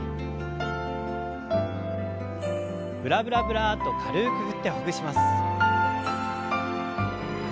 ブラブラブラッと軽く振ってほぐします。